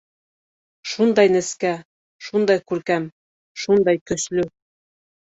Шундай нескә, шундай күркәм, шундай көслө.